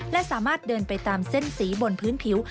และสามารถเดินไปตามเส้นสีบนพื้นผิว